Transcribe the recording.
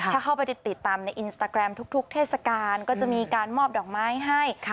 ถ้าเข้าไปติดตามในอินสตาแกรมทุกเทศกาลก็จะมีการมอบดอกไม้ให้